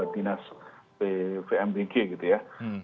dinas pmbg gitu ya